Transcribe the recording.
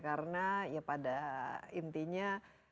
karena ya pada intinya